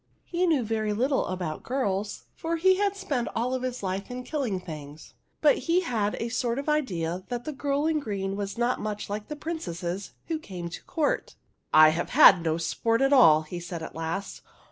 He knew very little about girls, for he had spent all his life in killing things, but he had a sort of idea that the girl in green was not much like the princesses who came to court. " I have had no sport at all," he said at last.